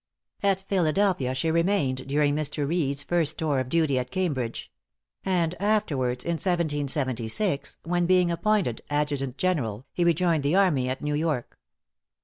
At Philadelphia she remained during Mr. Reed's first tour of duty at Cambridge; and afterwards, in 1776, when being appointed Adjutant General, he rejoined the army at New York.